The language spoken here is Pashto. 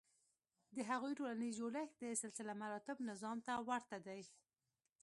د هغوی ټولنیز جوړښت د سلسلهمراتب نظام ته ورته دی.